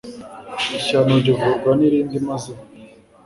ishyano rivurwa n'irindi maze